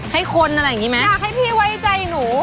ให้คนอะไรอย่างนี้ไหมอยากให้พี่ไว้ใจหนู